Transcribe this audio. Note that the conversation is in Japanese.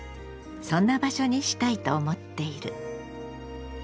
そんな場所にしたいと思っている。